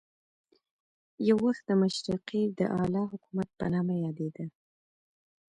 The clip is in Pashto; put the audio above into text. یو وخت د مشرقي د اعلی حکومت په نامه یادېده.